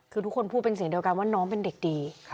คือทุกคนพูดเป็นเสียงเดียวกันว่าน้องเป็นเด็กดี